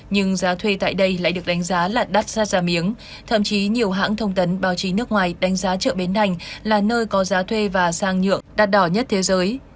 nhưng giá thuê tại đây lại được đánh giá là đắt ra giá miếng thậm chí nhiều hãng thông tấn báo chí nước ngoài đánh giá chợ bến đành là nơi có giá thuê và sang nhượng đắt đỏ nhất thế giới